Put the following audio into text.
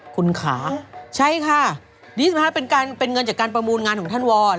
คุณขาใช่ค่ะ๒๕ล้านบาทเป็นเงินจากการประมูลงานของท่านวอร์